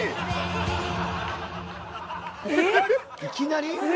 いきなり？